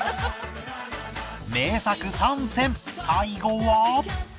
名作３選最後は